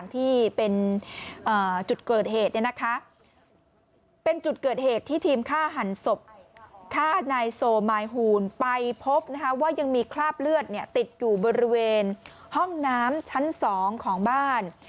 ติดอยู่บริเวณห้องน้ำชั้น๒ของบ้าน